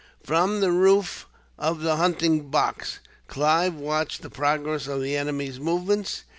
From the roof of the hunting box, Clive watched the progress of the enemy's movements.